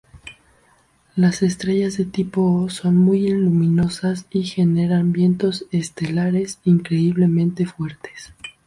Las estrellas de tipo O son muy luminosas y generan vientos estelares increíblemente fuertes.